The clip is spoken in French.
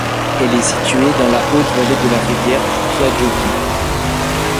Elle est située dans la haute vallée de la rivière Pyhäjoki.